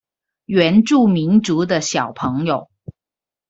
原住民族的小朋友